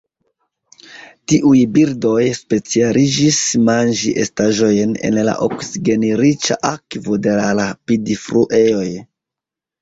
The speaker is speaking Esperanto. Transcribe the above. Tiuj birdoj specialiĝis manĝi estaĵojn en la oksigenriĉa akvo de la rapidfluejoj.